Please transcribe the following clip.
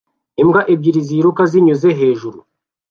Imbwa ebyiri ziruka zinyuze hejuru